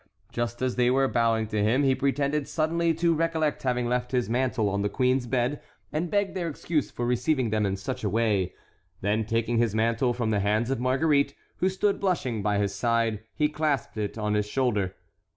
Just as they were bowing to him he pretended suddenly to recollect having left his mantle on the queen's bed and begged their excuse for receiving them in such a way; then, taking his mantle from the hands of Marguerite, who stood blushing by his side, he clasped it on his shoulder.